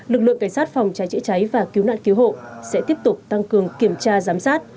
lực lượng cảnh sát phòng cháy chữa cháy và cứu nạn cứu hộ sẽ tiếp tục tăng cường kiểm tra giám sát